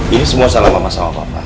ini semua salah mama sama papa